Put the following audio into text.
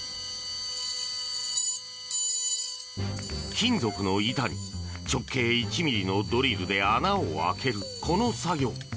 金属の板に直径１ｍｍのドリルで穴を開けるこの作業。